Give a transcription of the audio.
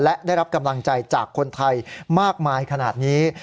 และได้รับกำลังใจจากคนไทยมากมายขนาดนี้